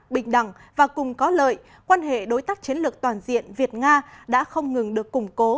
bình đẳng và cùng có lợi quan hệ đối tác chiến lược toàn diện việt nga đã không ngừng được củng cố